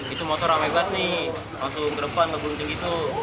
itu motor rame banget nih langsung ke depan ngegunting itu